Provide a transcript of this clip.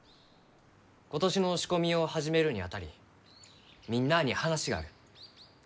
今年の仕込みを始めるにあたりみんなあに話がある。